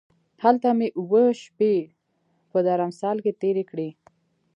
هلته مې اووه شپې په درمسال کې تېرې کړې.